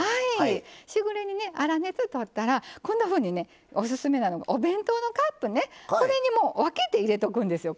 しぐれ煮粗熱取ったらこんなふうにねオススメなのがお弁当のカップねこれにもう分けて入れとくんですよ